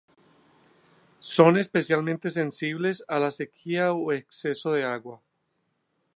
Son especialmente sensibles a la sequía o exceso de agua.